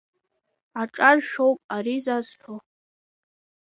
Аҿар шәоуп ари засҳәо…